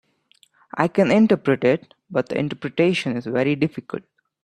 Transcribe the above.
I can interpret it, but the interpretation is very difficult.